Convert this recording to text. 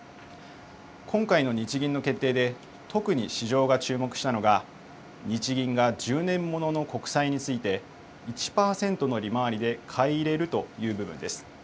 今回の日銀の決定で、特に市場が注目したのが、日銀が１０年ものの国債について、１％の利回りで買い入れるという部分です。